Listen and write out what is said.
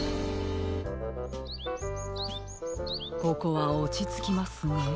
ここは落ち着きますね。